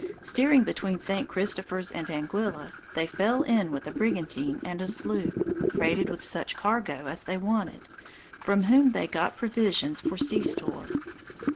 Steering between St. Christopher's and Anguilla, they fell in with a brigantine and a sloop, freighted with such cargo as they wanted; from whom they got provisions for sea store.